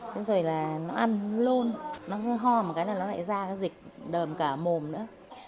xong rồi là nó ăn nó lôn nó cứ ho một cái là nó lại ra cái dịch đờm cả mồm nữa